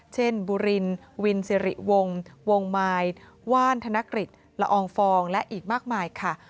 บุรินวินสิริวงศ์วงมายว่านธนกฤษละอองฟองและอีกมากมายค่ะ